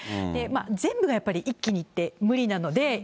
全部がやっぱり一気にって無理なので。